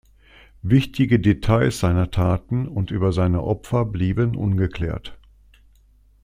Wichtige Details seiner Taten und über seine Opfer blieben ungeklärt.